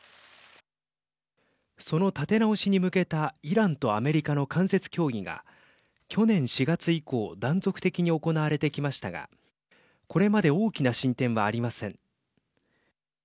その立て直しに向けたイランとアメリカの間接協議が去年４月以降断続的に行われてきましたがこれまで大きな進展はありません。